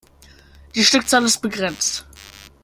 Die Stückzahl ist begrenzt.